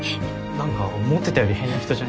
何か思ってたより変な人じゃね？